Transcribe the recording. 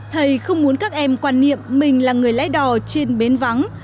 thầy không muốn các em quan niệm mình là người lái đò trên bến vắng